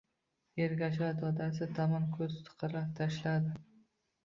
Ergashali dadasi tomon ko‘z qiri tashladi.